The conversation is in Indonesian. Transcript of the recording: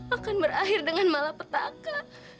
akan berakhir dengan malapetaka